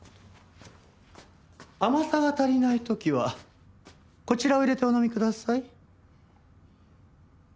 甘さが足りない時はこちらを入れてお飲みください。